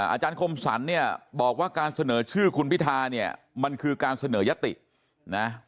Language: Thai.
อาจารย์คมสรรเนี่ยบอกว่าการเสนอชื่อคุณพิธาเนี่ยมันคือการเสนอยตินะ